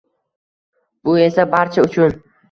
Bu esa barcha uchun